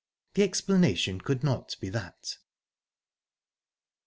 The explanation could not be that...